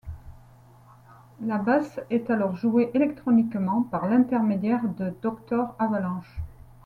La basse est alors jouée électroniquement par l'intermédiaire de Doktor Avalanche.